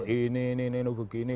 ini ini ini begini